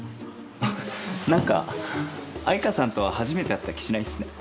何か藍花さんとは初めて会った気しないっすね。